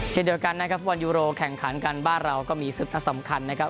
เช่นเดียวกันนะครับฟุตบอลยูโรแข่งขันกันบ้านเราก็มีศึกนัดสำคัญนะครับ